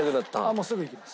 もうすぐ行きます。